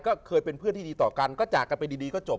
ก็เคยเป็นเพื่อนที่ดีต่อกันก็จากกันไปดีก็จบ